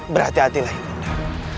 berhati hatilah ibu undang